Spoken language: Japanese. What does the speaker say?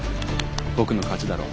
僕の勝ちだろ？